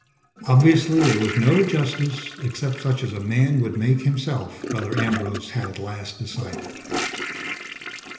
Obviously, there was no justice, except such as man would make himself, Brother Ambrose had at last decided.